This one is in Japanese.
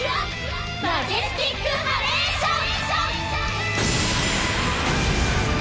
マジェスティックハレーション！